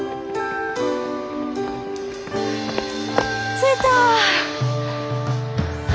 着いた！